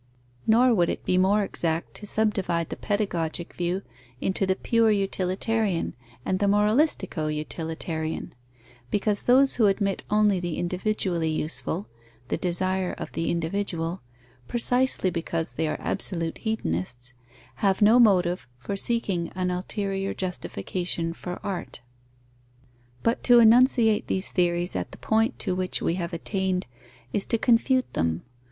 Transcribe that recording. Nor would it be more exact to subdivide the pedagogic view into the pure utilitarian and the moralistico utilitarian; because those who admit only the individually useful (the desire of the individual), precisely because they are absolute hedonists, have no motive for seeking an ulterior justification for art. But to enunciate these theories at the point to which we have attained is to confute them.